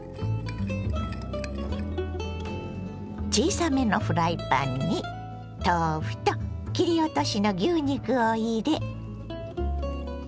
小さめのフライパンに豆腐と切り落としの牛肉を入れ。